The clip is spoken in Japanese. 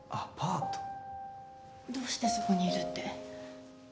どうしてそこにいるって？